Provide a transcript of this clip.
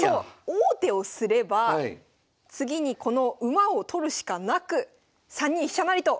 王手をすれば次にこの馬を取るしかなく３二飛車成と！